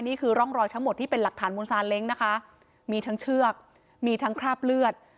นี่คือร่องรอยทั้งหมดที่เป็นหลักฐานมูลซาเล้งนะคะมีทั้งเชือกมีทั้งคราบเลือด